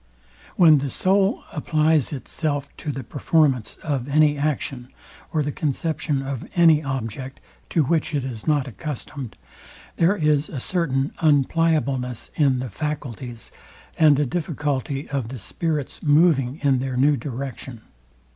When the soul applies itself to the performance of any action, or the conception of any object, to which it is not accustomed, there is a certain unpliableness in the faculties, and a difficulty of the spirit's moving in their new direction.